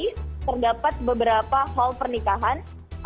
jadi terdapat beberapa hall pernikahan